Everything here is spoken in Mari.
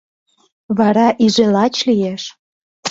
Вара иже лач лиеш.